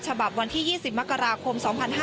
ฉบับวันที่๒๐มกราคม๒๕๕๙